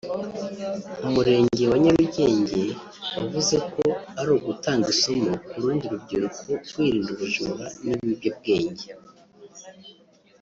Umurenge wa Nyarugenge wavuze ko ari ugutanga isomo ku rundi rubyiruko kwirinda ubujura n’ibiyobyabwenge